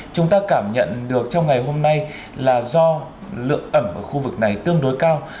chúng ta cảm nhận được trong ngày hôm nay là do lượng ẩm ở khu vực này tương đối cao